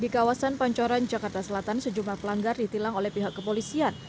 di kawasan pancoran jakarta selatan sejumlah pelanggar ditilang oleh pihak kepolisian